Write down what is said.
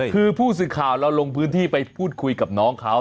คือผู้สื่อข่าวเราลงพื้นที่ไปพูดคุยกับน้องเขา